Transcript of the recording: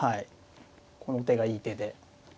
この手がいい手で。